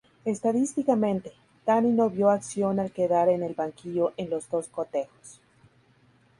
Estadísticamente, Danny no vio acción al quedar en el banquillo en los dos cotejos.